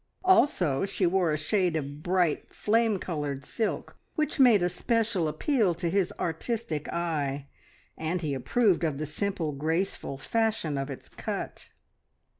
Also she wore a shade of bright flame coloured silk which made a special appeal to his artistic eye, and he approved of the simple, graceful fashion of its cut.